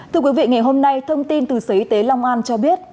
thưa quý vị ngày hôm nay thông tin từ sở y tế long an cho biết